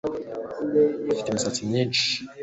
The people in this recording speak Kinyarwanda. Afite imisatsi myinshi